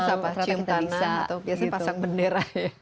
terus apa cium tanah atau biasanya pasang bendera ya